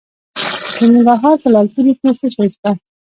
د ننګرهار په لعل پورې کې څه شی شته؟